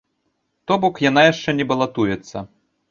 То бок яна яшчэ не балатуецца.